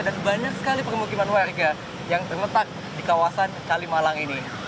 dan banyak sekali permukiman warga yang terletak di kawasan kalimalang ini